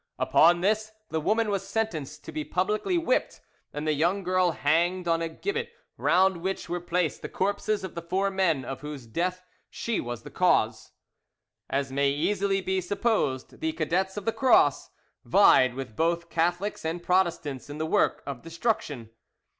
Upon this, the woman was sentenced to be publicly whipped, and the young girl hanged on a gibbet round which were placed the corpses of the four men of whose death she was the cause. As may easily be supposed, the "Cadets of the Cross" vied with both Catholics and Protestants in the work of destruction.